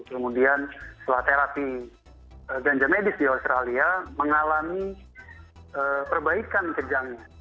kemudian setelah terapi ganja medis di australia mengalami perbaikan kejangnya